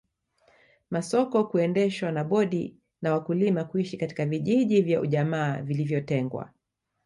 Masoko kuendeshwa na bodi na wakulima kuishi katika vijiji vya ujamaa vilivyotengwa